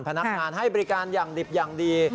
พนักงานให้บริการอย่างดิบอย่างดี